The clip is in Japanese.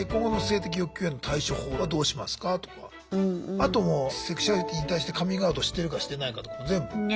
あともうセクシュアリティーに対してカミングアウトしてるかしてないかとかも全部。